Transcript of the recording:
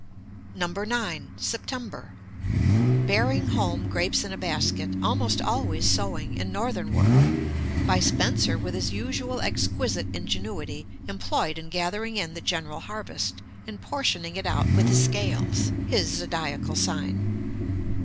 9. SEPTEMBER. Bearing home grapes in a basket. Almost always sowing, in Northern work. By Spenser, with his usual exquisite ingenuity, employed in gathering in the general harvest, and portioning it out with the Scales, his zodiacal sign.